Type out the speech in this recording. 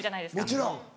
もちろん。